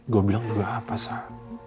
gue bilang juga apa sah